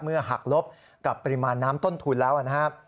หักลบกับปริมาณน้ำต้นทุนแล้วนะครับ